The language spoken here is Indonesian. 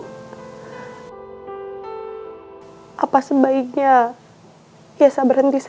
karena pak billy mengizinkan saya mengajar di tempat ini dengan membawa ibu saya